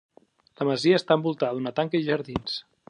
La masia està envoltada d'una tanca i jardins.